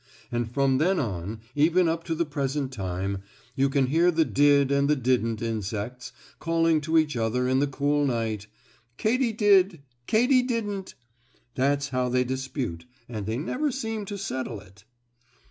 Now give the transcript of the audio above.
And from then on, even up to the present time, you can hear the did and the didn't insects calling to each other in the cool night: "Katy did!" "Katy didn't!" That's how they dispute, and they never seem to settle it.